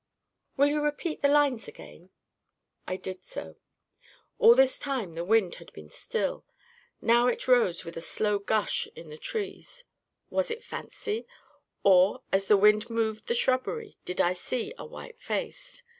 "Will you repeat the lines again?" I did so. All this time the wind had been still. Now it rose with a slow gush in the trees. Was it fancy? Or, as the wind moved the shrubbery, did I see a white face?